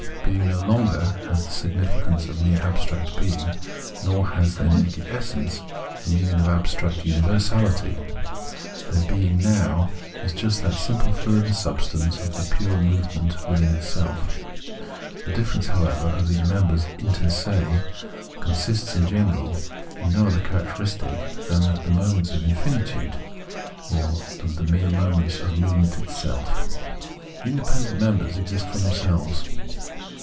Being no longer has the significance of mere abstract being, nor has their naked essence the meaning of abstract universality : their being now is just that simple fluent substance of the pure movement within itself. The difference, however, of these members inter se consists, in general, in no other characteristic than that of the moments of infinitude, or of the mere movement itself. The independent members exist for themselves.